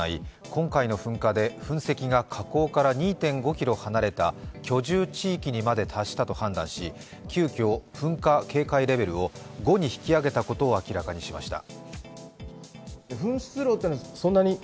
今回の噴火で噴石が火口から２．５ｋｍ離れた居住地域にまで達したと判断し急きょ噴火警戒レベルを５に引き上げたことを明らかにしました。